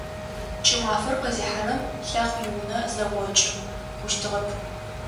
КӀымафэр къызихьэрэм Лахъу иунэ зэгъокӀы хъущтыгъэп.